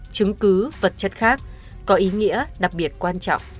chứng cứ vật chất khác có ý nghĩa đặc biệt quan trọng